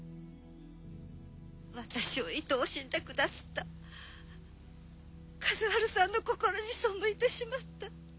私を愛おしんでくだすった和春さんの心に背いてしまった。